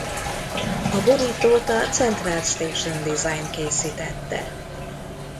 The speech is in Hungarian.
A borítót a Central Station Design készítette.